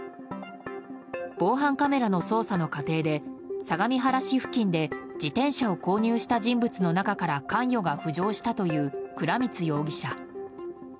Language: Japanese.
防犯カメラの捜査の過程で相模原市付近で自転車を購入した人物の中から関与が浮上したという倉光容疑者。